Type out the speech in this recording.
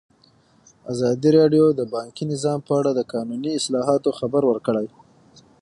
ازادي راډیو د بانکي نظام په اړه د قانوني اصلاحاتو خبر ورکړی.